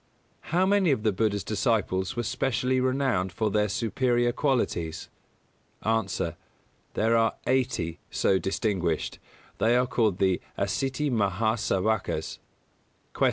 How many of the Buddha's disciples were specially renowned for their superior qualities? A. There are eighty so distinguished. They are called the Asīti Mahā Sāvakas. 250. Q.